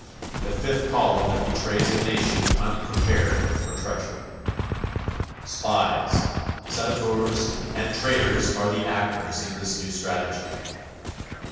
The Fifth Column that betrays a nation unprepared for treachery. Spies, saboteurs and traitors are the actors in this new strategy.